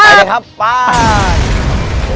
ไปเลยครับป้า